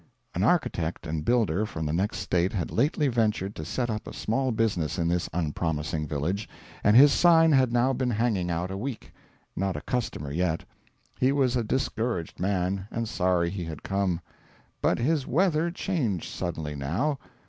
An architect and builder from the next State had lately ventured to set up a small business in this unpromising village, and his sign had now been hanging out a week. Not a customer yet; he was a discouraged man, and sorry he had come. But his weather changed suddenly now.